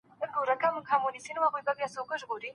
ګونګی سړی د ږیري سره ډېري مڼې نه خوري.